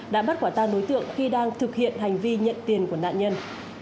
đã bắt quả tan đối tượng khi đang thực hiện hành vi nhận tiền của nạn nhân